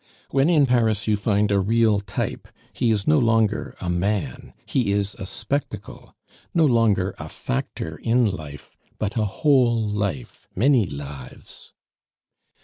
When in Paris you find a real type, he is no longer a man, he is a spectacle; no longer a factor in life, but a whole life, many lives.